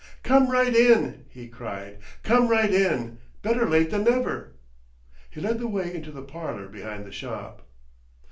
"Come right in!" he cried—"come right in! Better late than never!" and led the way into the parlour behind the shop.